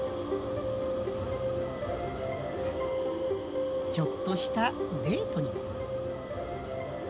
ちょっとしたデートにも。